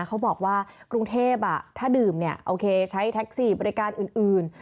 เขาบอกว่ากรุงเทพถ้าดื่มเนี่ยโอเคใช้แท็กซี่บริการอื่น